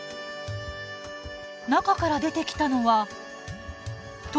中から出てきたのは鶏肉！？